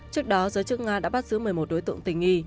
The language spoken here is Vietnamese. trước đó giới chức nga đã bắt giữ một mươi một đối tượng tình nghi